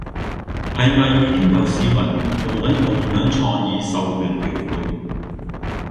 係咪已經有市民用緊共享創意授權條款？